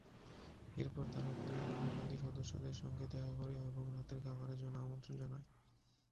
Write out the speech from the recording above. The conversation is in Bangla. এরপর তারা পরিবারের বাকি সদস্যদের সঙ্গে দেখা করে এবং রাতের খাবারের জন্য আমন্ত্রণ জানায়।